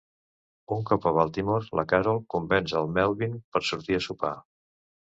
Un cop a Baltimore, la Carol convenç el Melvin per sortir a sopar.